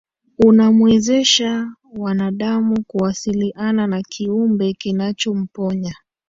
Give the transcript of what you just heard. unamwezesha wanadamu kuwasiliana na kiumbe kinachomponya